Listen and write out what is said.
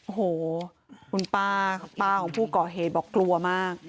โอ้โหคุณป้าป้าของผู้ก่อเหตุบอกกลัวมาก